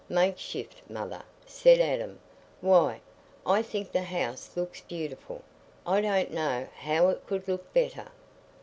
"Makeshift, mother?" said Adam. "Why, I think the house looks beautiful. I don't know how it could look better."